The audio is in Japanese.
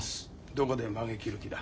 どこでまげ切る気だ？